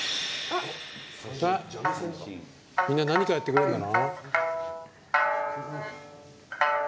みんな何かやってくれるんだな。